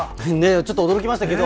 ちょっと驚きましたけど。